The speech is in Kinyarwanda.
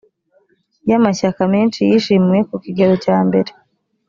y amashyaka menshi yishimiwe ku kigero cyambere